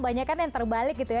banyak kan yang terbalik gitu ya